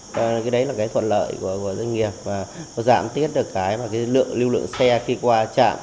cái đấy là thuận lợi của doanh nghiệp giảm tiết được lượng lưu lượng xe khi qua trạm